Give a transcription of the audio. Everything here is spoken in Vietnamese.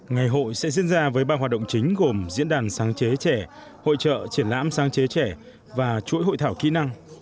ngày hội sẽ diễn ra với ba hoạt động chính gồm diễn đàn sáng chế trẻ hội trợ triển lãm sáng chế trẻ và chuỗi hội thảo kỹ năng